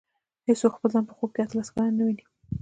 هېڅوک خپل ځان په خوب کې اته لس کلن نه ویني.